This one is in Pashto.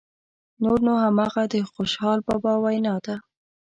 نور نو همغه د خوشحال بابا وینا ده.